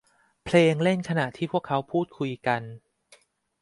เพลงเล่นขณะที่พวกเขาพูดคุยกัน